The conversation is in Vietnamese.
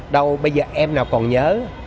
đâu bây giờ em nào còn nhớ